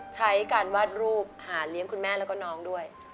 ใช้การวาดรูปหาเลี้ยงคุณแม่แล้วก็น้องด้วย